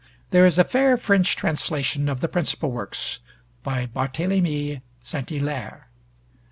There is a fair French translation of the principal works by Barthélemy St. Hilaire.